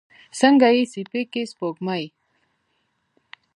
څنګه په سیپۍ کې سپوږمۍ